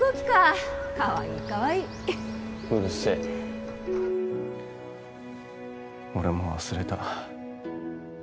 かわいいかわいいうるせえ俺も忘れた。